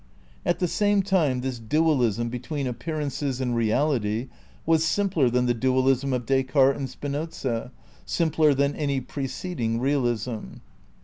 At the same time this dualism between appearances and reality was simpler than the dualism of Descartes and Spinoza, simpler than any preceding realism.